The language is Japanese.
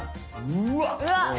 うわっ！